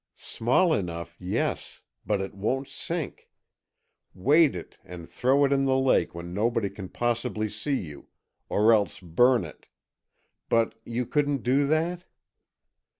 "Small enough, yes. But it won't sink. Weight it, and throw it in the lake when nobody can possibly see you, or else burn it—but you couldn't do that?"